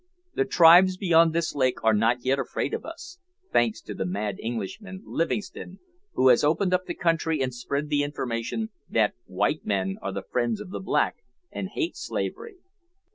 The tribes beyond this lake are not yet afraid of us thanks to the mad Englishman, Livingstone, who has opened up the country and spread the information that white men are the friends of the black, and hate slavery."